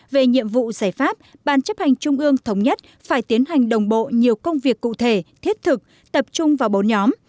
về nhiệm vụ giải pháp ban chấp hành trung ương thống nhất phải tiến hành đồng bộ nhiều công việc cụ thể thiết thực tập trung vào bốn nhóm